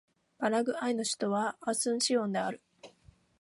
パラグアイの首都はアスンシオンである